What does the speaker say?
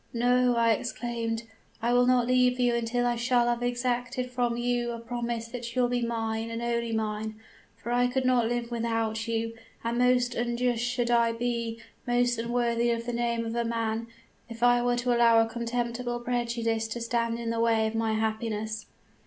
"'No,' I exclaimed; 'I will not leave you until I shall have exacted from you a promise that you will be mine, and only mine! For I could not live without you; and most unjust should I be, most unworthy of the name of a man, if I were to allow a contemptible prejudice to stand in the way of my happiness.'